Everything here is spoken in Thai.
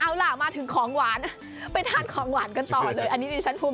เอาล่ะมาถึงของหวานไปทานของหวานกันต่อเลย